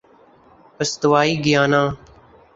استوائی Guyana